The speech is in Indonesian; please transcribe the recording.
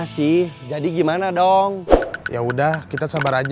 sih jadi gimana dong ya udah kita sabar aja ya kita sabar aja